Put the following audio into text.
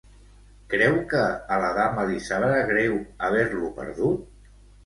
Creu que a la dama li sabrà greu haver-lo perdut?